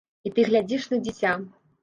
І ты глядзіш на дзіця.